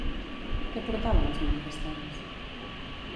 Què portaven els manifestants?